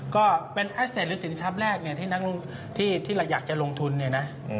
ก็เป็นอัสเต็ดหรือสินค้ำแรกที่เราอยากจะลงทุน